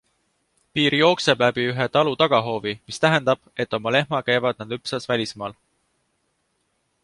Piir jookseb läbi ühe talu tagahoovi, mis tähendab, et oma lehma käivad nad lüpsmas välismaal.